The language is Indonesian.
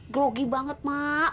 grogi banget mak